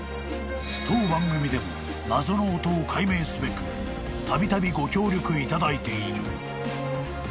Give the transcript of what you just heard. ［当番組でも謎の音を解明すべくたびたびご協力いただいている］